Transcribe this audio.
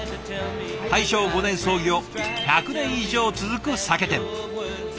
大正５年創業１００年以上続く酒店。